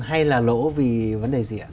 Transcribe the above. hay là lỗ vì vấn đề gì ạ